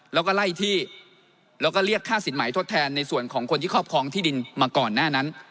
แล้วก็ไล่ที่แล้วก็เรียกค่าสินใหม่ทดแทนในส่วนของคนที่ครอบครองที่ดินมาก่อนหน้านั้น